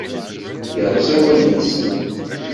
Yerẓa awal-nsen.